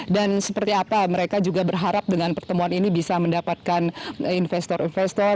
dan seperti apa mereka juga berharap dengan pertemuan ini bisa mendapatkan investor investor